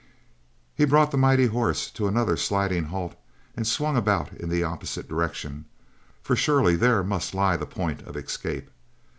He brought the mighty horse to another sliding halt and swung about in the opposite direction, for surely there must lie the point of escape.